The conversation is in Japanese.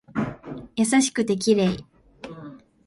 優しくて綺麗